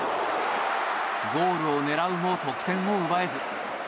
ゴールを狙うも得点を奪えず。